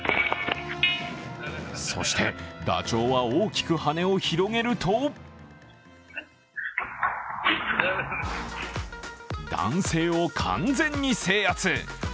そして、ダチョウは大きく羽を広げると男性を完全に制圧。